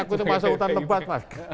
aku tuh masuk hutan lebat mas